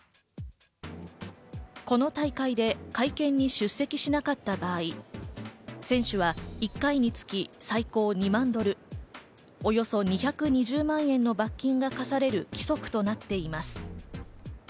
この大会で会見に出席しなかった場合、選手は１回につき最高２万ドル、およそ２２０万円の罰金が科される規則となっています。